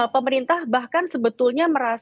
pemerintah bahkan sebetulnya